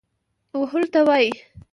وهلو ته وايي.